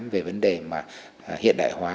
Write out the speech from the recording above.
về vấn đề mà hiện đại hóa